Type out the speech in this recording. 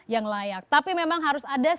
yang layak tapi memang harus ada